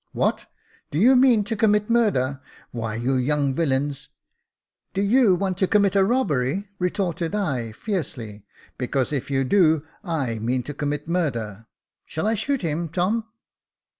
" What ! do you mean to commit murder ? Why, you young villains !" "Do you want to commit a robbery?" retorted I, fiercely ;" because if you do, I mean to commit murder. Shall I shoot him, Tom."